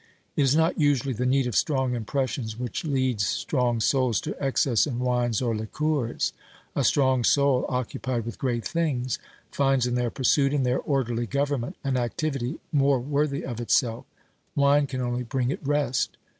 It is not usually the need of strong impressions which leads strong souls to excess in wines or liqueurs. A strong soul, occupied with great things, finds in their pursuit and their orderly government an activity more worthy of itself. Wine can only bring it rest.